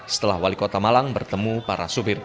setelah wali kota malang bertemu para supir